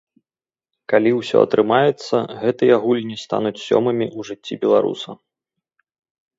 Калі ўсё атрымаецца, гэтыя гульні стануць сёмымі ў жыцці беларуса.